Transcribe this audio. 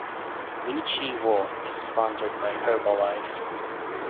Lee Chi Wo is sponsored by Herbalife.